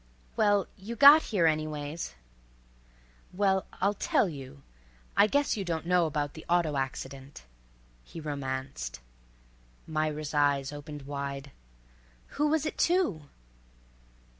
"Well—you got here, _any_ways." "Well—I'll tell you. I guess you don't know about the auto accident," he romanced. Myra's eyes opened wide. "Who was it to?"